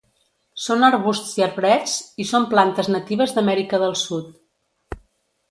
Són arbusts i arbrets i són plantes natives d'Amèrica del Sud.